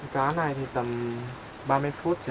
cá này thì tầm ba mươi phút chị ạ